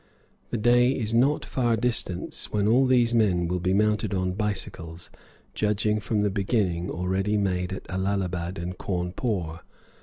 The day is not far distant when all these men will be mounted on bicycles, judging from the beginning already made at Allahabad and Cawnpore.